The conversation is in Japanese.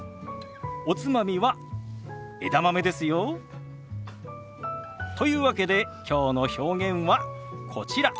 おつまみは枝豆ですよ。というわけできょうの表現はこちら。